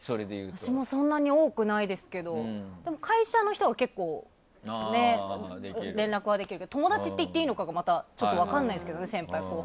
私もそんなに多くないですけど会社の人は結構連絡はできるけど友達って言っていいのかはまたちょっと分からないですけどね。